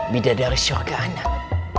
bidadari syurga anak